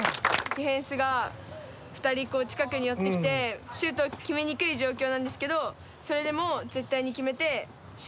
ディフェンスが２人近くに寄ってきてシュートを決めにくい状況なんですけどそれでも絶対に決めて試合に勝つぞっていう。